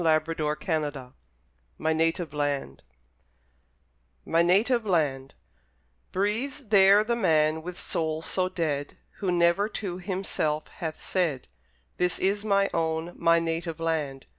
Major Richardson MY NATIVE LAND Breathes there the man, with soul so dead, Who never to himself hath said, This is my own, my native land!